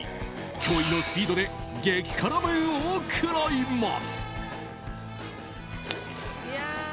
驚異のスピードで激辛麺を食らいます。